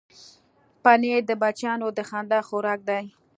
پنېر د بچیانو د خندا خوراک دی.